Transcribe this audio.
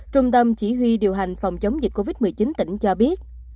trung tâm chỉ huy điều hành phòng chống dịch covid một mươi chín tỉnh cho biết